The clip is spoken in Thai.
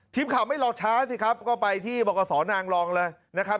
ทีมข่าวไม่รอช้าสิครับก็ไปที่บกษนางรองเลยนะครับ